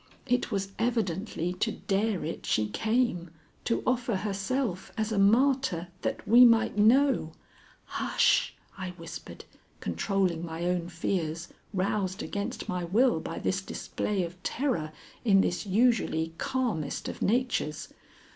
It was evidently to dare it she came, to offer herself as a martyr, that we might know " "Hush!" I whispered, controlling my own fears roused against my will by this display of terror in this usually calmest of natures.